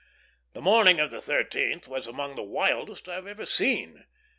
The morning of the 13th was among the wildest I have seen.